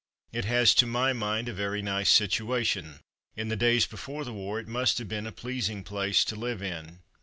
It has, to my mind, a very nice situation. In the days before the war it must have been a pleasing place to live in.